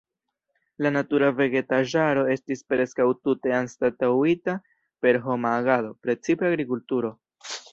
La natura vegetaĵaro estis preskaŭ tute anstataŭita per homa agado, precipe agrikulturo.